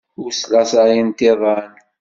Ur slaẓayent iḍan.